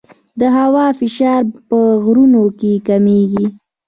د هوا فشار په غرونو کې کمېږي.